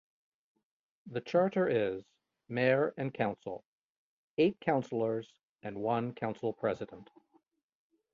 The Charter is: Mayor and Council - eight councillors and one council president.